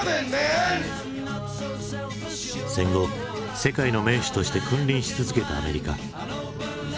戦後世界の盟主として君臨し続けたアメリカ。